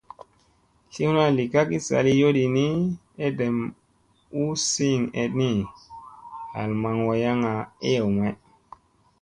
Tliyna li kagi zaali yoodi ni, edem u siiŋ eɗni hal maŋ wayaŋga eyew may.